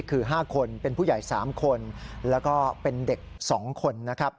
คือ๕คนเป็นผู้ใหญ่๓คนแล้วก็เป็นเด็ก๒คนนะครับ